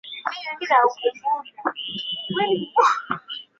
Bado tunataabika na chanamoto kubwa ya sasa ambayo ni Ugonjwa wa Virusi vya Korona